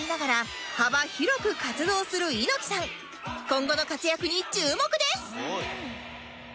今後の活躍に注目です！